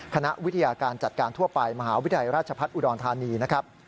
คณะวิทยาการจัดการทั่วไปมหาวิทยาลัยราชพัฒน์อุดรธานีนะครับ